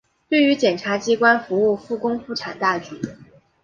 对于检察机关服务复工复产大局